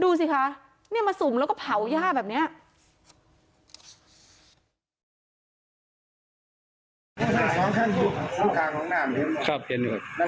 ดูสิคะเนี่ยมาสุ่มแล้วก็เผาย่าแบบนี้